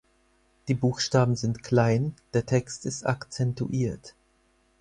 Die Buchstaben sind klein, der Text ist akzentuiert.